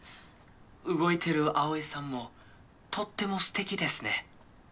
動いてる葵さんもとっても素敵ですね。